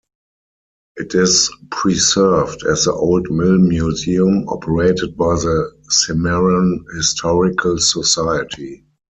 It is preserved as the Old Mill Museum, operated by the Cimarron Historical Society.